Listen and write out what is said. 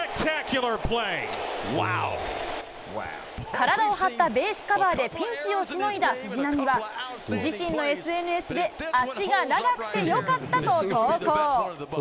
体を張ったベースカバーでピンチをしのいだ藤浪は、自身のＳＮＳで足が長くてよかったと投稿。